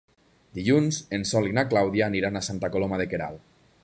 Dilluns en Sol i na Clàudia aniran a Santa Coloma de Queralt.